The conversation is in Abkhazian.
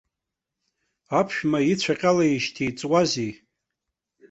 Аԥшәма ицәа ҟьалеижьҭеи иҵуазеи!